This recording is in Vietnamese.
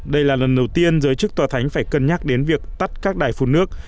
đây là lần đầu tiên giới chức tòa thánh phải cân nhắc đến việc tắt các đài phun nước